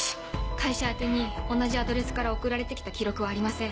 会社宛てに同じアドレスから送られて来た記録はありません。